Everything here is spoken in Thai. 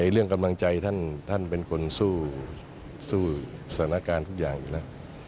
เรื่องกำลังใจท่านเป็นคนสู้สถานการณ์ทุกอย่างอยู่แล้ว